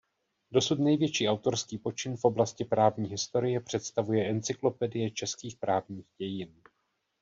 Dosud největší autorský počin v oblasti právní historie představuje Encyklopedie českých právních dějin.